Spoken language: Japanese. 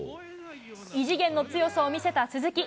異次元の強さを見せた鈴木。